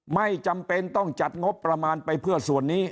ไม่จำเป็นต้องจัดงบประมาณไปเพื่อส่วนนี้